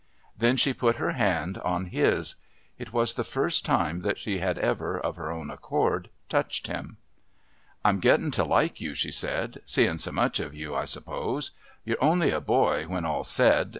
Then she put her hand on his. It was the first time that she had ever, of her own accord, touched him. "I'm gettin' to like you," she said. "Seein' so much of you, I suppose. You're only a boy when all's said.